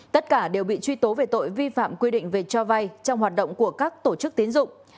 tất cả đều bị truy tố về tội vi phạm quy định về cho vay trong hoạt động của các tổ chức tiến dụng